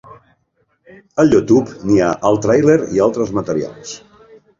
Al YouTube n'hi ha el tràiler i altres materials.